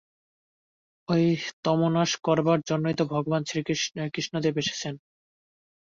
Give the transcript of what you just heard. ঐ তমোনাশ করবার জন্যেই তো ভগবান শ্রীরামকৃষ্ণদেব এসেছেন।